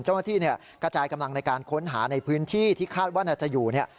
เจ้าหน้าที่เนี่ยกระจายกำลังในการค้นหาในพื้นที่ที่คาดว่าน่าจะอยู่เนี่ย